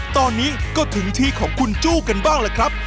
ตอนนี้ก็ถึงที่ของคุณจู้กันบ้างล่ะครับ